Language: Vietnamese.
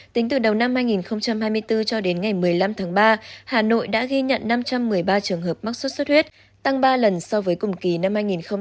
tính từ đầu năm hai nghìn hai mươi bốn cho đến ngày một mươi năm tháng ba hà nội đã ghi nhận năm trăm một mươi ba trường hợp mắc sốt xuất huyết tăng ba lần so với cùng kỳ năm hai nghìn hai mươi hai